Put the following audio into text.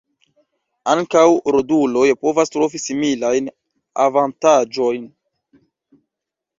Ankaŭ roduloj povas trovi similajn avantaĝojn.